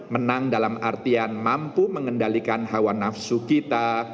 menang dalam artian mampu mengendalikan hawa nafsu kita